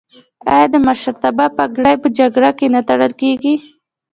آیا د مشرتابه پګړۍ په جرګه کې نه تړل کیږي؟